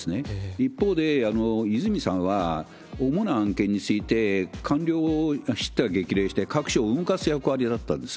一方で、和泉さんは主な案件について官僚をしった激励して、各省を動かす役割だったんです。